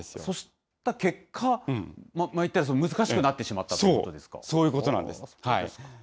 そうした結果、いったら、難しくなってしまったということでそう、そういうことなんです。